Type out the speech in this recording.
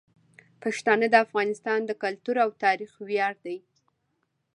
پښتانه د افغانستان د کلتور او تاریخ ویاړ دي.